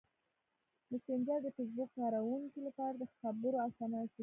مسېنجر د فېسبوک کاروونکو لپاره د خبرو اسانه وسیله ده.